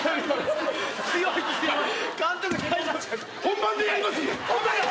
本番でやりますんで。